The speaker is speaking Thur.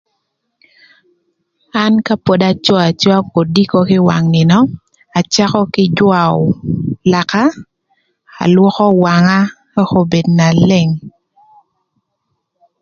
An ka pod aco acoa kodiko kï wang nïnö, acakö kï jwaö laka, alwökö wanga ëk obed na leng.